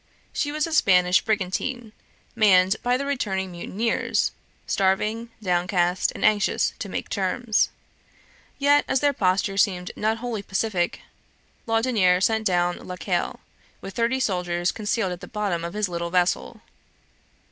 She was a Spanish brigantine, manned by the returning mutineers, starving, downcast, and anxious to make terms. Yet, as their posture seemed not wholly pacific, Landonniere sent down La Caille, with thirty soldiers concealed at the bottom of his little vessel.